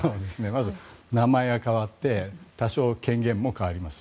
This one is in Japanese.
まず名前が変わって多少権限も変わります。